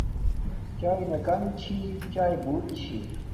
چایݵے نا کم چھی چایݵے بوت چھی